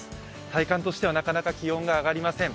体感としてはなかなか気温が上がりません。